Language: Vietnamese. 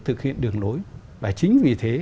thực hiện đường lối và chính vì thế